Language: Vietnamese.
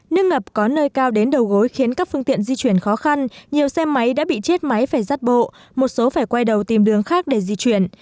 nước ngập có nơi cao đến đầu gối khiến các phương tiện di chuyển khó khăn nhiều xe máy đã bị chết máy phải rắt bộ một số phải quay đầu tìm đường khác để di chuyển